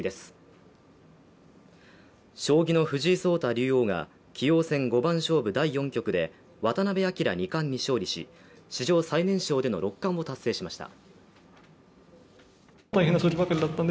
将棋の藤井聡太竜王が棋王戦五番勝負第４局で渡辺明二冠に勝利し史上最年少での六冠を達成しました。